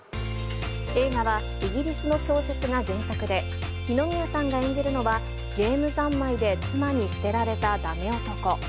映画は、イギリスの小説が原作で、二宮さんが演じるのは、ゲーム三昧で妻に捨てられたダメ男。